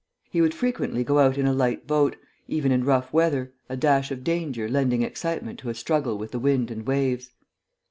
He would frequently go out alone in a light boat, even in rough weather, a dash of danger lending excitement to a struggle with the wind and waves.